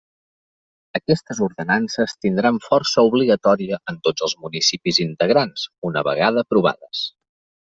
Aquestes ordenances tindran força obligatòria en tots els municipis integrants, una vegada aprovades.